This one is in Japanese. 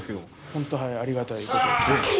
本当にありがたいことです。